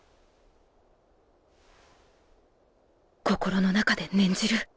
心の中で念じる。